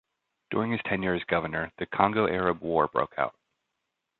During his tenure as governor, the Congo-Arab War broke out.